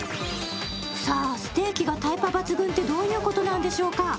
さあ、ステーキがタイパ抜群ってどういうことなんでしょうか？